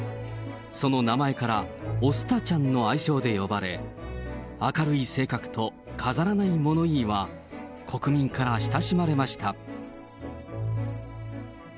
その名前からおスタちゃんの愛称で呼ばれ、明るい性格と飾らない物言いは、国民から親しまれました。